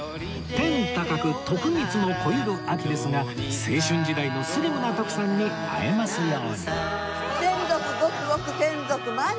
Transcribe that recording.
天高く徳光も肥ゆる秋ですが青春時代のスリムな徳さんに会えますように